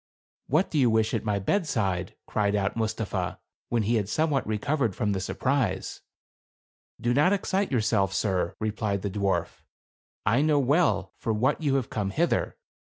" What do you wish at my bed side?" cried out Mustapha, when he had some what recovered from the surprise. " Do not excite yourself, sir," replied the dwarf. " I know well for what you have come hither; THE CARAVAN.